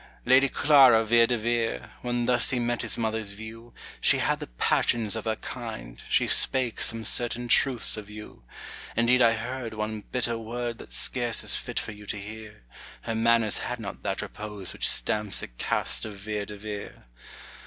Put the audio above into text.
Lady Clara Vere de Vere, When thus he met his mother's view, She had the passions of her kind, She spake some certain truths of you. Indeed I heard one bitter word That scarce is fit for you to hear; Her manners had not that repose Which stamps the caste of Vere de Vere.